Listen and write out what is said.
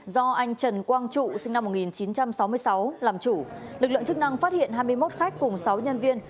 do anh trần quang trụ sinh năm một nghìn chín trăm sáu mươi sáu làm chủ lực lượng chức năng phát hiện hai mươi một khách cùng sáu nhân viên